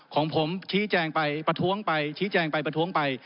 ของผมชี้แจงไปประท้วงไปชี้แจงไปประท้วงไป